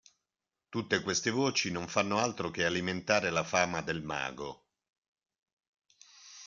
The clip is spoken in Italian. Tutte queste voci non fanno altro che alimentare la fama del mago.